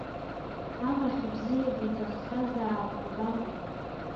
Амаҳә бзиа диҭаххазаап, убама.